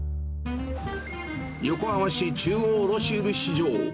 横浜市中央卸売市場。